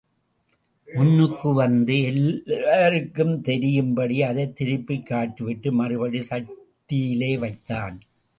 முன்னுக்கு வந்து எல்லோருக்கும் தெரியும்படி அதைத் திருப்பிக்காட்டிவிட்டு மறுபடி சட்டியிலே வைத்தான்.